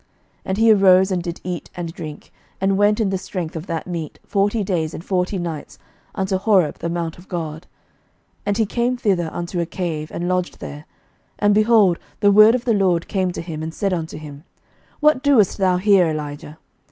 11:019:008 And he arose, and did eat and drink, and went in the strength of that meat forty days and forty nights unto Horeb the mount of God. 11:019:009 And he came thither unto a cave, and lodged there; and, behold, the word of the LORD came to him, and he said unto him, What doest thou here, Elijah?